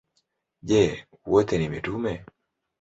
Je, wote ni mitume?